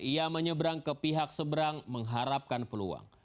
ia menyeberang ke pihak seberang mengharapkan peluang